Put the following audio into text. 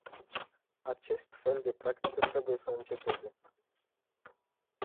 Acest fel de practică trebuie să înceteze.